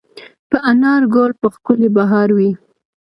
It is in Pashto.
په انارګل به ښکلی بهار وي